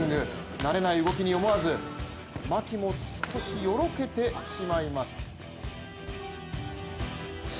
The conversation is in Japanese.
慣れない動きに思わず牧も少しよろけてしまいます。